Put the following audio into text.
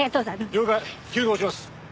了解急行します。